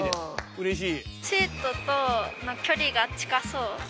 うれしい。